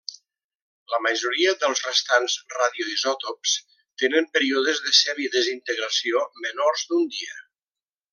La majoria dels restants radioisòtops tenen períodes de semidesintegració menors d'un dia.